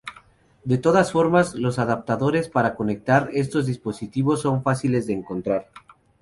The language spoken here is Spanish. De todas formas, los adaptadores para conectar estos dispositivos son fáciles de encontrar.